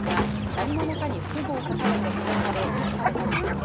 何者かに腹部を刺されて殺され遺棄された事件で。